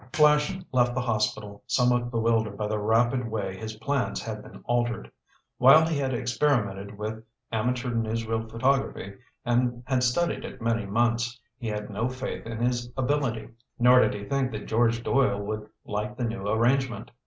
Flash left the hospital, somewhat bewildered by the rapid way his plans had been altered. While he had experimented with amateur newsreel photography and had studied it many months, he had no faith in his ability. Nor did he think that George Doyle would like the new arrangement.